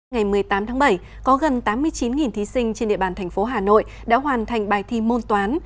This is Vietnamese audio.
ngày một mươi tám tháng bảy có gần tám mươi chín thí sinh trên địa bàn thành phố hà nội đã hoàn thành bài thi môn toán